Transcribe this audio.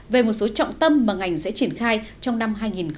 về một số trọng tâm mà ngành sẽ triển khai trong năm hai nghìn một mươi chín